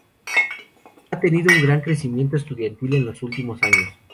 Ha tenido un gran crecimiento estudiantil en los últimos años.